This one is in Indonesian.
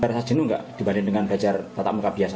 biasanya tidak dibandingkan dengan belajar tatap muka biasa